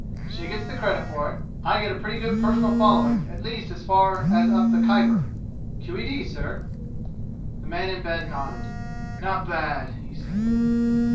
She gets the credit for it. I get a pretty good personal following at least as far as up the Khyber! Q.E.D., sir!" The man in bed nodded. "Not bad," he said.